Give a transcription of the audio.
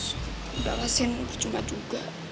udah lah sien berjumpa juga